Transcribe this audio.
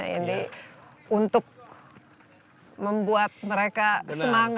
ini untuk membuat mereka semangat